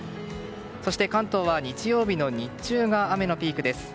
そして関東は日曜日の日中が雨のピークです。